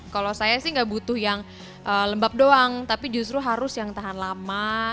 kalau saya sih nggak butuh yang lembab doang tapi justru harus yang tahan lama